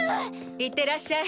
いってらっしゃい。